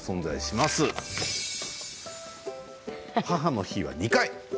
母の日は２回。